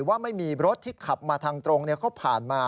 ว่าไม่มีรถที่ขับมาทางตรงเขาผ่านมา